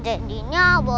prevalent bangunan adik